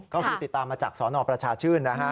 เขาคือติดตามมาจากสศประชาชื่น